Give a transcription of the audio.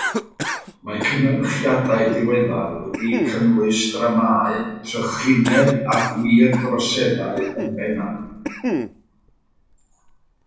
Mae cynyrchiadau diweddar wedi cynnwys dramâu trychineb a gwir droseddau yn bennaf.